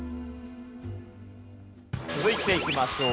続いていきましょう。